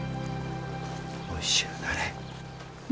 おいしゅうなれ。